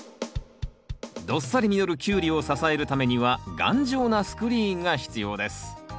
どっさり実るキュウリを支えるためには頑丈なスクリーンが必要です。